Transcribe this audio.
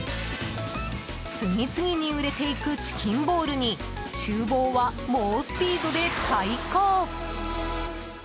次々に売れていくチキンボールに厨房は猛スピードで対抗。